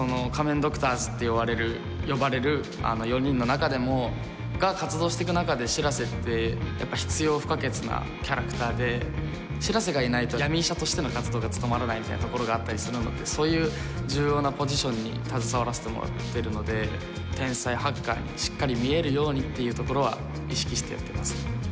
ドクターズって呼ばれる４人の中でもが活動してく中で白瀬ってやっぱ必要不可欠なキャラクターで白瀬がいないと闇医者としての活動が務まらないみたいなところがあったりするのでそういう重要なポジションに携わらせてもらってるので天才ハッカーにしっかり見えるようにっていうところは意識してやってます